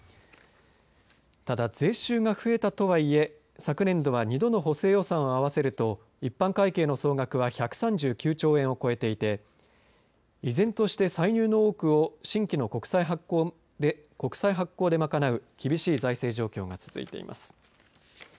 ただ、税収が増えたとはいえ昨年度は２度の補正予算を合わせると一般会計の総額は１３９兆円を超えていて依然として歳入の多くを新規の国債発行で賄う厳しい財政状況が続いています。